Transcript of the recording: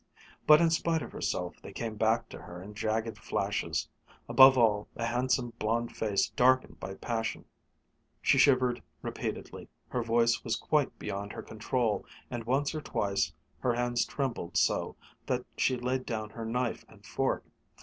But in spite of herself they came back to her in jagged flashes above all, the handsome blond face darkened by passion. She shivered repeatedly, her voice was quite beyond her control, and once or twice her hands trembled so that she laid down her knife and fork.